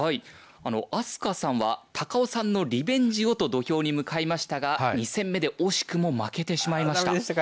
明日香さんは高尾さんのリベンジをと土俵に向かいましたが２戦目で惜しくも負けてしまいました。